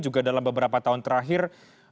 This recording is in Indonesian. juga dalam beberapa tahun terakhir